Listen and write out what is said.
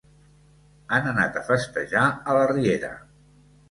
Han anat a festejar a la riera.